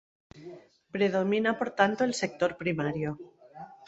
Predomina por tanto el sector primario.